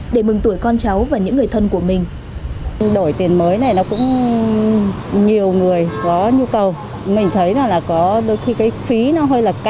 để mừng tuổi con cháu và những người thân của mình